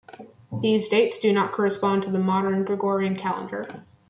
These dates do not correspond to the modern Gregorian calendar.